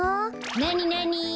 なになに？